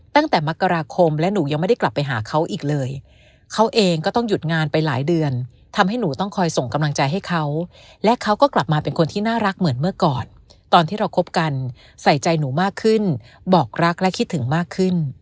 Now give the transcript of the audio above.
ตอนที่เราคบกันใส่ใจหนูมากขึ้นบอกรักและคิดถึงมากขึ้น